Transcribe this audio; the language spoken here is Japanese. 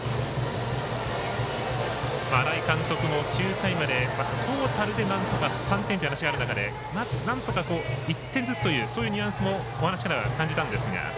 荒井監督も９回までトータルでなんとか３点という話がある中でまず、なんとか１点ずつというそういうニュアンスをお話から感じたんですが。